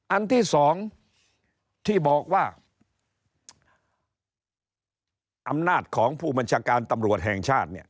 อันที่สองที่บอกว่าอำนาจของผู้บัญชาการตำรวจแห่งชาติเนี่ย